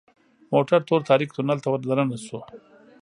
موټر تور تاریک تونل ته وردننه شو .